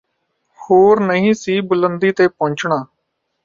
ਹੋਰ ਨਹੀਂ ਸੀ ਬੁਲੰਦੀ ਤੇ ਪੁੰਚਣਾਂ